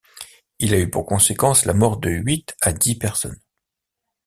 Il a eu pour conséquence la mort de huit à dix personnes.